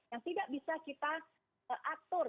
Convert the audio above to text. yang tidak bisa kita atur